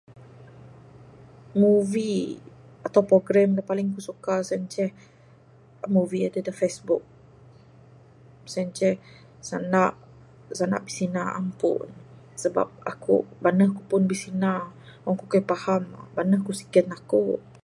Movie atau program dak paling ku suka sien ceh movie deh dak Facebook. Sien ceh senda bisina senda angku sabab aku baneh ku pun bisina. Wang ku kai faham baneh ku siken aku.